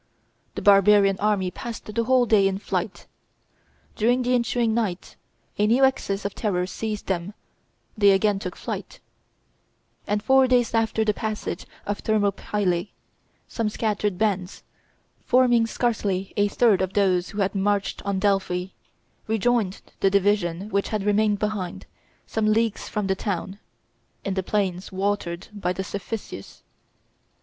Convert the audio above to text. The barbarian army passed the whole day in flight. During the ensuing night a new access of terror seized them they again took to flight, and four days after the passage of Thermopylae some scattered bands, forming scarcely a third of those who had marched on Delphi, rejoined the division which had remained behind, some leagues from the town, in the plains watered by the Cephissus.